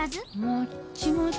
もっちもち。